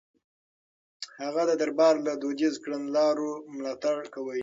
هغه د دربار له دوديزو کړنلارو ملاتړ کاوه.